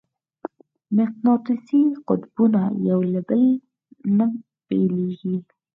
مقناطیسي قطبونه یو له بله نه بېلېږي.